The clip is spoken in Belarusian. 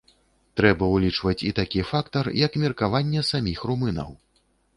Трэба ўлічваць і такі фактар, як меркаванне саміх румынаў.